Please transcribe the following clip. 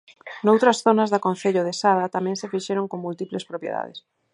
Noutras zonas do Concello da Sada tamén se fixeron con múltiples propiedades.